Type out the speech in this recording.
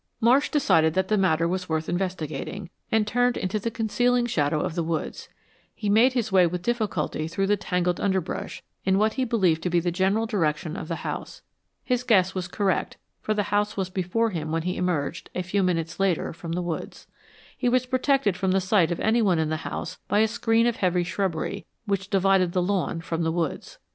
Marsh decided that the matter was worth investigating, and turned into the concealing shadow of the woods. He made his way with difficulty through the tangled underbrush, in what he believed to be the general direction of the house. His guess was correct, for the house was before him when he emerged, a few minutes later, from the woods. He was protected from the sight of anyone in the house by a screen of heavy shrubbery, which divided the lawn from the woods.